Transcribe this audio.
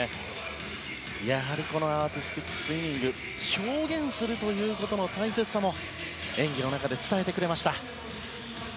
やはり、このアーティスティックスイミング表現するということの大切さも演技の中で伝えてくれました。